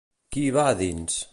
Qui hi va dins?